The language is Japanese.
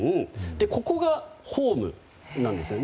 ここがホームなんですね。